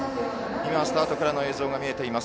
今スタートからの映像が見えています。